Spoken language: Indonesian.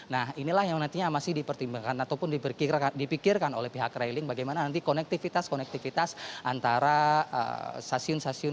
nah inilah yang nantinya masih dipertimbangkan ataupun dipikirkan oleh pihak railing bagaimana nanti konektivitas konektivitas antara stasiun stasiun